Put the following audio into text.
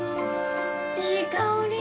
いい香り！